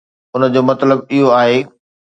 ان جو مطلب اهو آهي